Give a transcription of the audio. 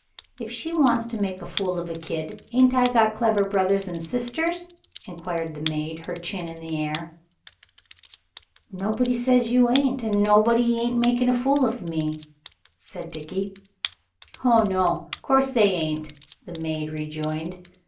"If she wants to make a fool of a kid, ain't I got clever brothers and sisters?" inquired the maid, her chin in the air. "Nobody says you ain't, and nobody ain't makin' a fool of me," said Dickie. "Ho no. Course they ain't," the maid rejoined.